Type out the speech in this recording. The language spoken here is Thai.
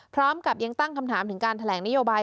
พร้อมกับยังตั้งคำถามถึงการแถลงนโยบาย